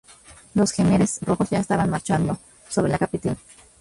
Los jemeres rojos ya estaban marchando sobre la capital.